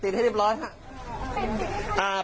พี่มันใช่ดวงหมอของเหมือนขี้กันขนเผาเหรอ